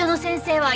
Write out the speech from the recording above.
はい。